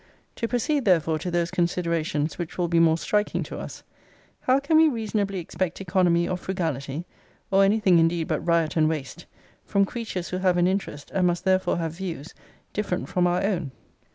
To proceed therefore to those considerations which will be more striking to us: How can we reasonably expect economy or frugality (or anything indeed but riot and waste) from creatures who have an interest, and must therefore have views, different from our own?